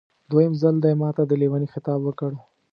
دویم ځل دې ماته د لېوني خطاب وکړ.